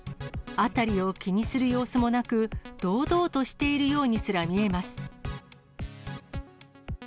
辺りを気にする様子もなく、堂々としているようにすら見えます。